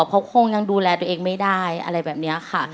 เขาคงยังดูแลตัวเองไม่ได้อะไรแบบนี้ค่ะ